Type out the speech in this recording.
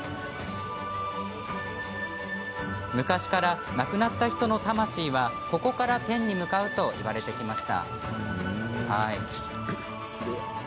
昔から亡くなった人の魂はここから天に向かうといわれてきました。